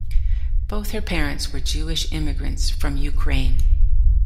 Both her parents were Jewish immigrants from Ukraine.